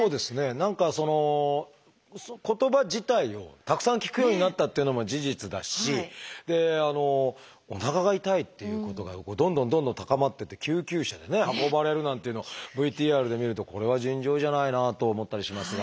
何かその言葉自体をたくさん聞くようになったっていうのも事実だしおなかが痛いっていうことがどんどんどんどん高まってって救急車で運ばれるなんていうのをＶＴＲで見るとこれは尋常じゃないなと思ったりしますが。